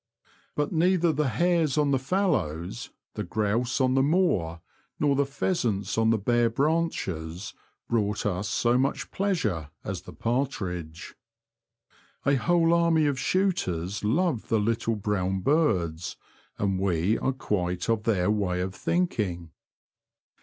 But neither the hares on the fallows, the grouse on the moor, nor the pheasants on the bare branches brought us so much pleasure as the partridge. A whole army of shooters love the little brown birds, and we are quite of their way of thinking.